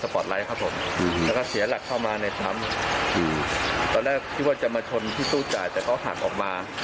พี่ว่าจะมาชนที่ตู้จ่ายแต่เขาหักออกมา